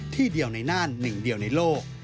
ที่เดียวในน่านหนึ่งเดียวในโลก